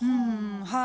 はい。